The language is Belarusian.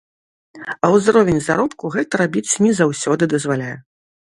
А ўзровень заробку гэта рабіць не заўсёды дазваляе.